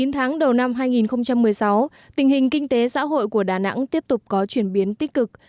chín tháng đầu năm hai nghìn một mươi sáu tình hình kinh tế xã hội của đà nẵng tiếp tục có chuyển biến tích cực